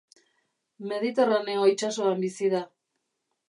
Mediterraneo itsasoan bizi da.